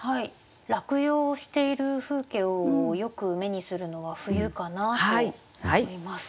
落葉をしている風景をよく目にするのは冬かなと思います。